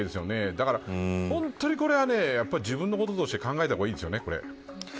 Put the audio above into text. だから、本当にこれは自分のこととして考えた方がいいですよね。